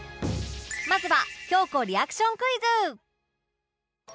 まずは京子リアクションクイズ